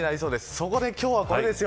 そこで今日はこれですよ。